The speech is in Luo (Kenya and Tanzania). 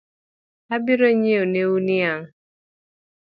Abironyieonu niang’